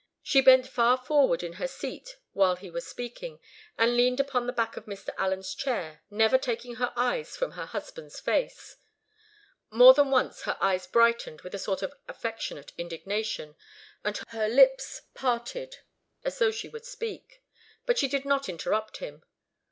She bent far forward in her seat while he was speaking, and leaned upon the back of Mr. Allen's chair, never taking her eyes from her husband's face. More than once her eyes brightened with a sort of affectionate indignation, and her lips parted as though she would speak. But she did not interrupt him.